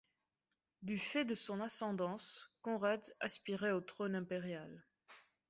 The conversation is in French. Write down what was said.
Du fait de son ascendance, Conrad aspirait au trône impérial.